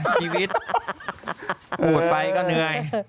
ชีวิตพูดไปก็เหนื่อย